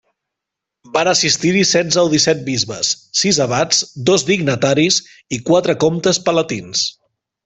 Van assistir-hi setze o disset bisbes, sis abats, dos dignataris i quatre comtes palatins.